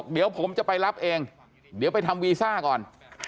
เดี๋ยวผมจะไปรับเองเดี๋ยวไปทำวีซ่าก่อน